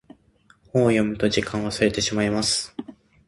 本を読むと時間を忘れてしまいます。